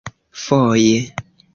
"Foje."